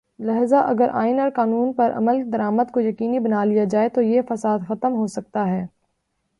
لہذا اگر آئین اور قانون پر عمل درآمد کو یقینی بنا لیا جائے تویہ فساد ختم ہو سکتا ہے۔